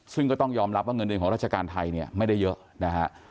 ซึ่งก็ต้องยอมรับว่าเงินเดือนของราชการไทยเนี่ยไม่ได้เยอะนะฮะ